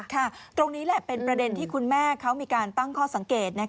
ตรงนี้แหละเป็นประเด็นที่คุณแม่เขามีการตั้งข้อสังเกต